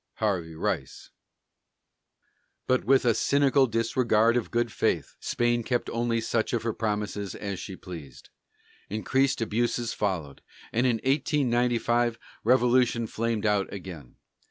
HARVEY RICE. But with a cynical disregard of good faith, Spain kept only such of her promises as she pleased; increased abuses followed, and in 1895 revolution flamed out again.